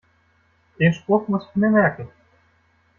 Den Spruch muss ich mir merken.